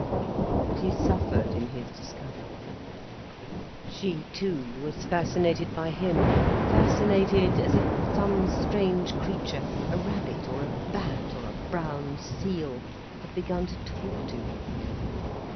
But he suffered in his discovery. She too was fascinated by him, fascinated, as if some strange creature, a rabbit or a bat, or a brown seal, had begun to talk to her.